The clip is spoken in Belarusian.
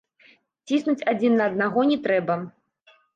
Ціснуць адзін на аднаго не трэба.